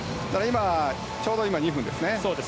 ちょうど今、２分ですよね。